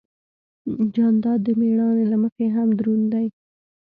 جانداد د مېړانې له مخې هم دروند دی.